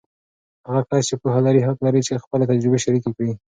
هغه کس چې پوهه لري، حق لري چې خپله تجربې شریکې کړي.